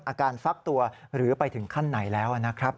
ฟักตัวหรือไปถึงขั้นไหนแล้วนะครับ